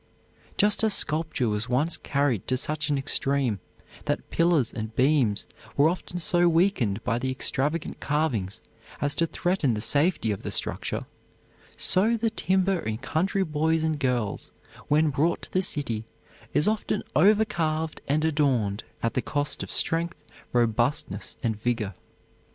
Just as sculpture was once carried to such an extreme that pillars and beams were often so weakened by the extravagant carvings as to threaten the safety of the structure, so the timber in country boys and girls, when brought to the city, is often overcarved and adorned at the cost of strength, robustness and vigor.